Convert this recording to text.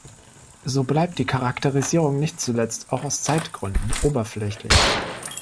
So bleibt die Charakterisierung nicht zuletzt auch aus Zeitgründen oberflächlich.